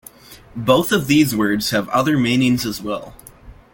Both of those words have other meanings as well.